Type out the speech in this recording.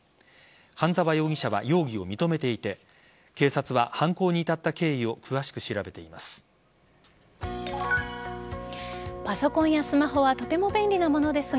半沢容疑者は容疑を認めていて警察は犯行に至った経緯を詳しく調べています。